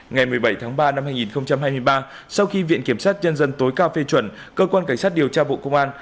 ngày một mươi bảy tháng ba năm hai nghìn hai mươi ba sau khi viện kiểm sát nhân dân tối cao phê chuẩn cơ quan cảnh sát điều tra bộ công an